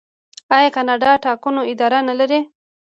آیا کاناډا د ټاکنو اداره نلري؟